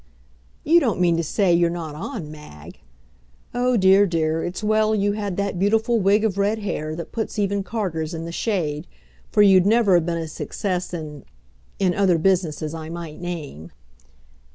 You don't mean to say you're not on, Mag? Oh, dear, dear, it's well you had that beautiful wig of red hair that puts even Carter's in the shade; for you'd never have been a success in in other businesses I might name.